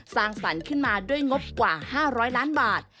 สร้างสรรค์ขึ้นมาด้วยงบกว่า๕๐๐ล้านบาท